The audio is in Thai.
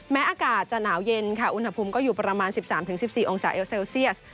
อากาศจะหนาวเย็นค่ะอุณหภูมิก็อยู่ประมาณ๑๓๑๔องศาเซลเซียส